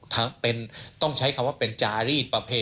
ต้องใช้คำว่าเป็นจารีสประเพณ